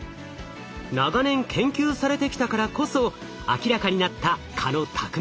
長年研究されてきたからこそ明らかになった